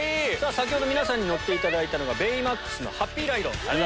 先ほど皆さんに乗っていただいた「ベイマックスのハッピーライド」。